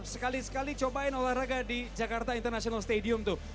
sekali sekali cobain olahraga di jakarta international stadium tuh